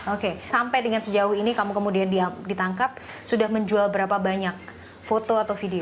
oke sampai dengan sejauh ini kamu kemudian ditangkap sudah menjual berapa banyak foto atau video